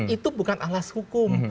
itu bukan alas hukum